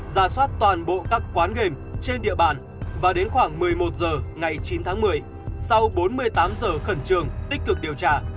rà soát toàn bộ các quán game trên địa bàn và đến khoảng một mươi một h ngày chín tháng một mươi sau bốn mươi tám h khẩn trường tích cực điều tra